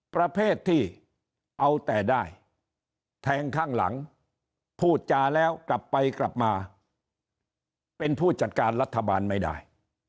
ประเภทที่เอาแต่ได้แทงข้างหลังพูดจาแล้วกลับไปกลับมาเป็นผู้จัดการรัฐบาลไม่ได้